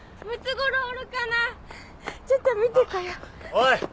おい！